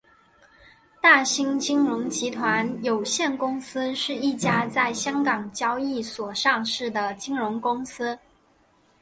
大新金融集团有限公司是一家在香港交易所上市的金融公司。